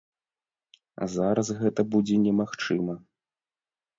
Зараз гэта будзе немагчыма.